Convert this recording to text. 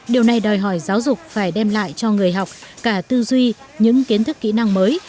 điều này đòi hỏi giáo dục phải đem lại cho người học cả tư duy những kiến thức kỹ năng mới